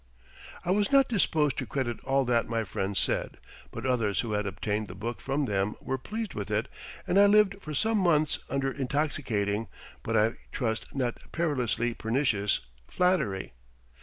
I was not disposed to credit all that my friends said, but others who had obtained the book from them were pleased with it and I lived for some months under intoxicating, but I trust not perilously pernicious, flattery.